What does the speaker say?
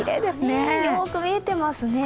よく見えていますね。